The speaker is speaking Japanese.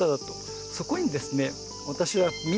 そこにですね